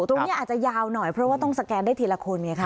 ตรงนี้อาจจะยาวหน่อยเพราะว่าต้องสแกนได้ทีละคนไงคะ